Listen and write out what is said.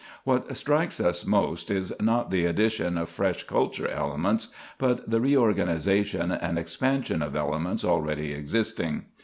What strikes us most is not the addition of fresh culture elements, but the reorganization and expansion of elements already existing.